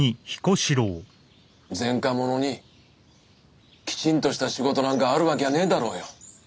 前科者にきちんとした仕事なんかあるわきゃねえだろうよ。